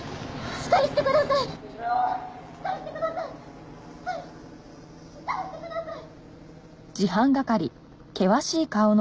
「しっかりしてください！」